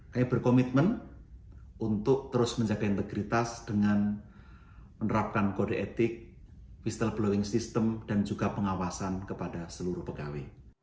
kami berkomitmen untuk terus menjaga integritas dengan menerapkan kode etik fistel blowing system dan juga pengawasan kepada seluruh pegawai